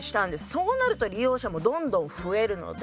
そうなると利用者もどんどん増えるので。